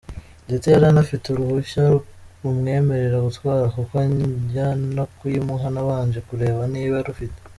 Ndetse yari anafite uruhushya rumwemerera gutwara, kuko njya no kuyimuha nabanje kureba niba arufite.